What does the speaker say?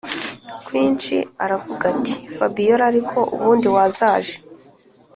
kwinshi aravuga ati” fabiora ariko ubundi wazaje